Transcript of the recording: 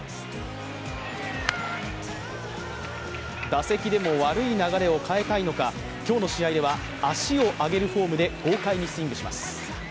打席でも悪い流れを変えたいのか今日の試合では足を上げるフォームで豪快にスイングします。